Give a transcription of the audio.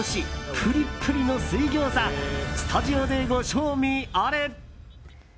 プリプリの水ギョーザスタジオでご賞味あれ。